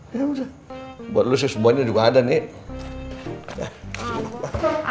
buat lu si subonnya juga ada nih